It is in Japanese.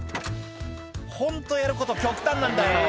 「ホントやること極端なんだよ」